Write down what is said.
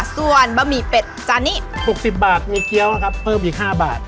ส่วนบะหมี่เป็ดจานนี้๖๐บาทมีเกี้ยวนะครับเพิ่มอีก๕บาท